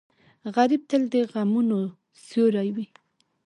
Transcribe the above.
غریب تل د غمونو سیوری وي